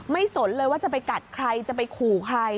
สนเลยว่าจะไปกัดใครจะไปขู่ใคร